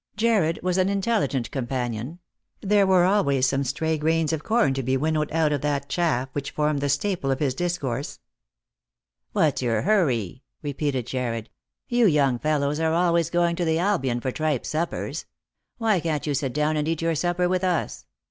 Jarred was an intelligent companion ; there were always some stray grains of corn to be winnowed out of that chaff which formed the staple of his discourse. " What's your hurry ?" repeated Jarred. " You young fellows are always going to the Albion for tripe suppers. Why can't you sit down and eat your supper with us